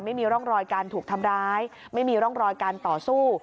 ไม่มีร่องรอยการถูกทำร้ายไม่มีร่องรอยการต่อสู้